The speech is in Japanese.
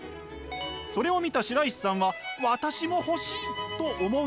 それを見た白石さんは私も欲しいと思うようになります。